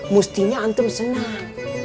mustinya antum senang